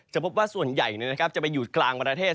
พบว่าส่วนใหญ่จะไปอยู่กลางประเทศ